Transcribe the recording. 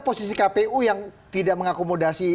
posisi kpu yang tidak mengakomodasi